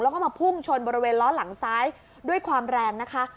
แล้วก็มาพุ่งชนบริเวณล้อหลังซ้ายด้วยความแรงนะคะ